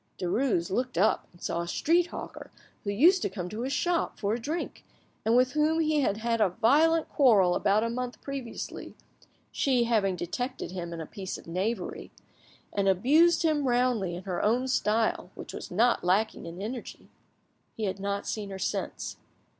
Derues looked up and saw a street hawker who used to come to his shop for a drink, and with whom he had had a violent quarrel about a month previously, she having detected him in a piece of knavery, and abused him roundly in her own style, which was not lacking in energy. He had not seen her since.